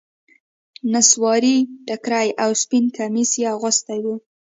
نصواري ټيکری او سپين کميس يې اغوستي وو.